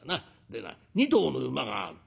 でな２頭の馬がある。